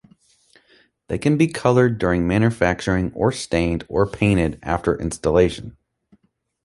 They can be colored during manufacturing or stained or painted after installation.